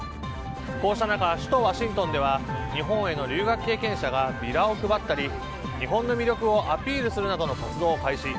こうした中、首都ワシントンでは日本への留学経験者がビラを配ったり日本の魅力をアピールするなどの活動を開始。